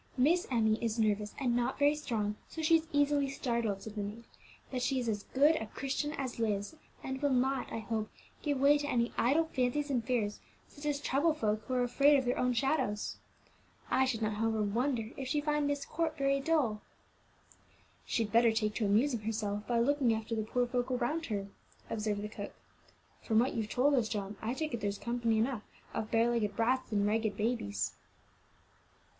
"Miss Emmie is nervous and not very strong, so she is easily startled," said the maid; "but she is as good a Christian as lives, and will not, I hope, give way to any idle fancies and fears such as trouble folk who are afraid of their own shadows. I should not, however, wonder if she find Myst Court very dull." "She'd better take to amusing herself by looking after the poor folk around her," observed the cook. "From what you've told us, John, I take it there's company enough of bare legged brats and ragged babies."